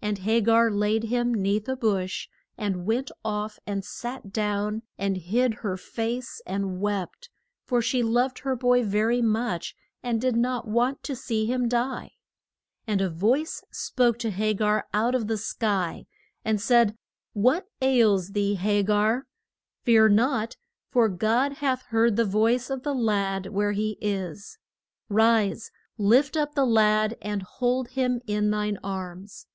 And Ha gar laid him 'neath a bush and went off and sat down and hid her face, and wept, for she loved her boy ve ry much and did not want to see him die. [Illustration: DE STRUC TION OF THE CIT IES OF THE PLAIN.] And a voice spoke to Ha gar out of the sky, and said, What ails thee, Ha gar? Fear not, for God hath heard the voice of the lad where he is. Rise, lift up the lad and hold him in thine arms.